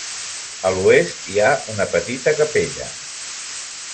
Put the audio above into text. A l'oest hi ha una petita capella.